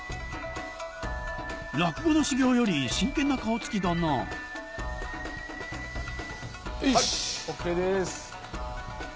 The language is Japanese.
落語の修業より真剣な顔つきだなはいＯＫです。